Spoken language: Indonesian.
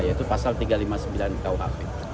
yaitu pasal tiga ratus lima puluh sembilan kuhp